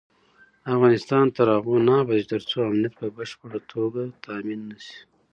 افغانستان تر هغو نه ابادیږي، ترڅو امنیت په بشپړه توګه تامین نشي.